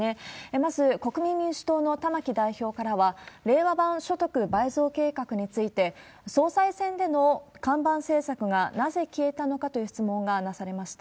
まず、国民民主党の玉木代表からは、令和版所得倍増計画について、総裁選での看板政策がなぜ消えたのかという質問がなされました。